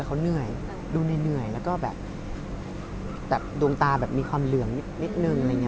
เขาเหนื่อยดูเหนื่อยแล้วก็แบบดวงตาแบบมีความเหลืองนิดหนึ่ง